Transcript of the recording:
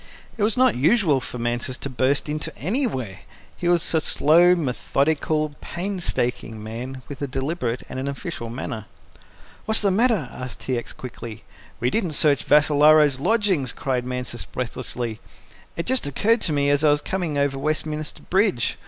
It was not usual for Mansus to burst into anywhere. He was a slow, methodical, painstaking man, with a deliberate and an official, manner. "What's the matter?" asked T. X. quickly. "We didn't search Vassalaro's lodgings," cried Mansus breathlessly. "It just occurred to me as I was coming over Westminster Bridge.